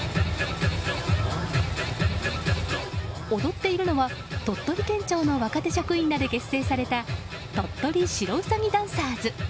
踊っているのは鳥取県庁の若手職員らで結成されたとっとり白うさぎダンサーズ。